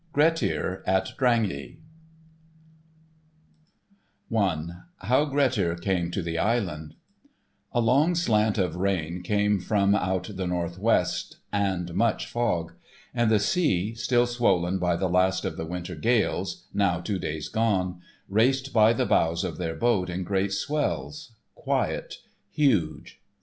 *Grettir at Drangey* *I* *HOW GRETTIR CAME TO THE ISLAND* A long slant of rain came from out the northwest, and much fog; and the sea, still swollen by the last of the winter gales—now two days gone—raced by the bows of their boat in great swells, quiet, huge.